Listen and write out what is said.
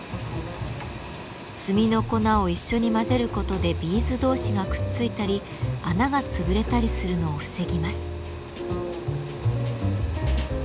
炭の粉を一緒に混ぜることでビーズ同士がくっついたり穴が潰れたりするのを防ぎます。